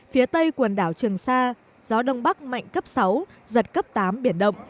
phía tây quần đảo trường sa gió đông bắc mạnh cấp sáu giật cấp tám biển động